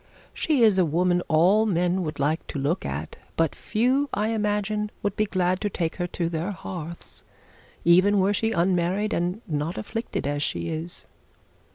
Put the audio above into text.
She is a woman all men would like to look at; but few I imagine would be glad to take her to their hearths, even were she unmarried and not afflicted as she is.'